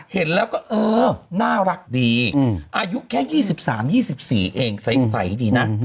เห็นแล้วก็เออน่ารักดีอายุแค่๒๓๒๔เองใสดีนะ